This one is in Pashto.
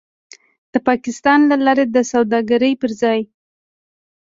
د پاکستان له لارې د سوداګرۍ پر ځای